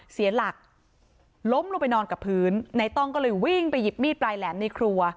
เสียหลักล้มลงไปนอนกับพื้นในต้องก็เลยวิ่งไปหยิบมีดปลายแหลมในครัว